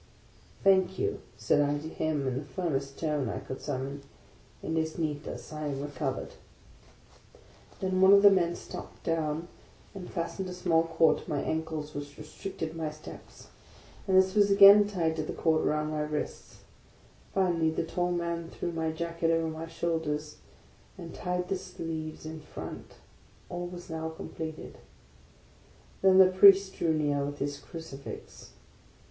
" Thank you," said I to him, in the firmest tone I could summon, " it is needless ; I am recovered." Then one of the men stopped down and fastened a small cord to my ankles, which restricted my steps ; and this was again tied to the cord around my wrists ; finally, the tall man threw my jacket over my shoulders, and tied the sleeves in front. All was now completed. Then the Priest drew near with his Crucifix.